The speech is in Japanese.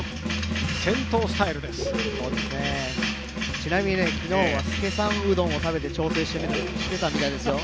ちなみに昨日はうどんを食べて調整していたみたいですよ。